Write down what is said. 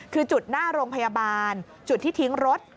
คือจุดหน้าโรงพยาบาลจุดที่ทิ้งรถ